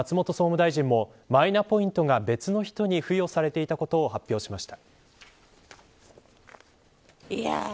さらに松本総務大臣もマイナポイントが別の人に付与されていたことを発表しました。